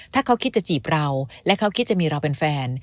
ถ้าเขาคิดจะจีบเราและเขาคิดจะมีเราเป็นแฟน